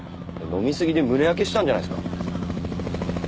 飲みすぎで胸焼けしたんじゃないですか？